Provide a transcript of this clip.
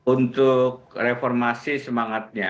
untuk reformasi semangatnya